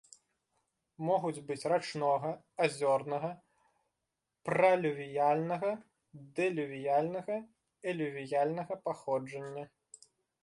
Могуць быць рачнога, азёрнага, пралювіяльнага, дэлювіяльнага, элювіяльнага паходжання.